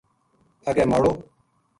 اَگے ماڑو